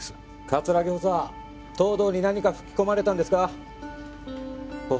葛城補佐東堂に何か吹き込まれたんですか心